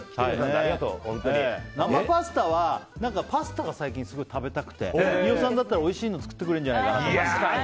生パスタはパスタが最近、食べたくて飯尾さんだったらおいしいの作ってくれると思って。